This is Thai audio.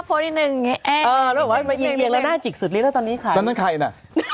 โพสต์ถ้าบอกว่าทรงมันน่ะ